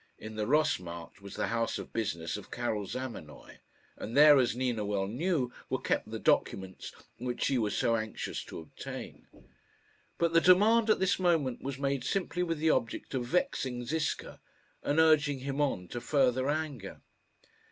In the Ross Markt was the house of business of Karil Zamenoy, and there, as Nina well knew, were kept the documents which she was so anxious to obtain. But the demand at this moment was made simply with the object of vexing Ziska, and urging him on to further anger.